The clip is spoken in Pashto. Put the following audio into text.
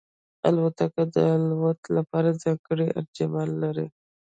الوتکه د الوت لپاره ځانګړی انجن لري.